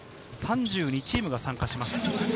３２チームが参加します。